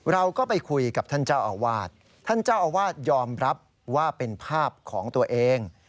เราก็ไปคุยกับท่านเจ้าอาวาสท่านเจ้าอาวาสยอมรับว่าเป็นภาพของตัวเอง